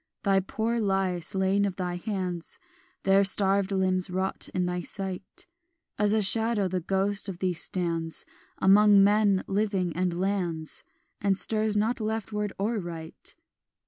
"Thy poor lie slain of thine hands, Their starved limbs rot in thy sight; As a shadow the ghost of thee stands Among men living and lands, And stirs not leftward or right.